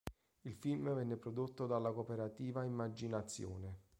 Il film venne prodotto dalla Cooperativa Immagininazione.